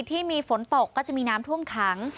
ที่มีฝนตกก็จะมีน้ำท่วมขัง